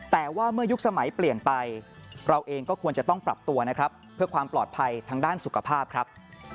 แต่ว่าเมื่อยุคสมัยเปลี่ยนไปเราเองก็ควรจะต้องปรับตัวนะครับเพื่อความปลอดภัยทางด้านสุขภาพครับ